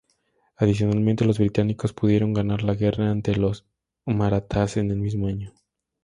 Adicionalmente los británicos pudieron ganar la guerra ante los Marathas en el mismo año.